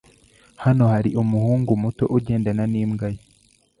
Hano hari umuhungu muto ugendana nimbwa ye.